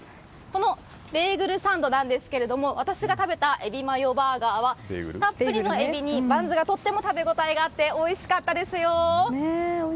このベーグルサンドなんですが私が食べたエビマヨベーグルはたっぷりのエビにバンズがとっても食べ応えがあっておいしかったですよ。